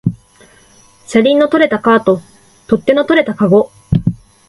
車輪の取れたカート、取っ手の取れたかご